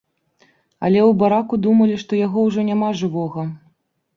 Але ў бараку думалі, што яго ўжо няма жывога.